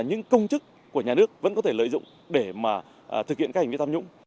nhưng luận địa xuyên tạo vô căn cứ